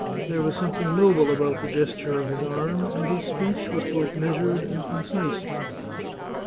There was something noble about the ges ture of his arm, and his speech was both measured and concise.